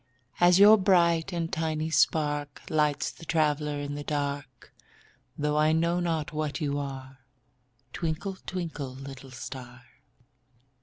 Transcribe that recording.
As your bright and tiny spark Lights the traveler in the dark, Though I know not what you are, Twinkle, twinkle, little star.